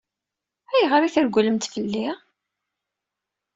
Ayɣer i tregglemt fell-i?